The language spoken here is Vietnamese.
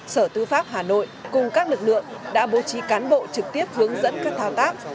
sở tư pháp hà nội cùng các lực lượng đã bố trí cán bộ trực tiếp hướng dẫn các thao tác